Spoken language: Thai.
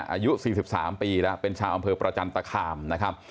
อายุ๔๓ปีแล้วเป็นชาวอำเภอประจันตคามนะครับ